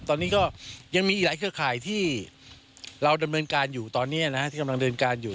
ตอนนี้ก็ยังมีอีกหลายเครือข่ายที่เราดำเนินการอยู่ตอนนี้ที่กำลังเดินการอยู่